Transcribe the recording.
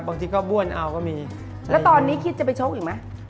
แสดงว่ากินน้ำต้องกินจิบถูกไหม